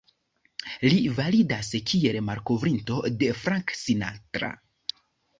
Li validas kiel malkovrinto de Frank Sinatra.